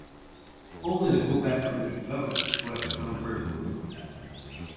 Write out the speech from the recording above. Only the Quebec provincial government collects its own personal income tax.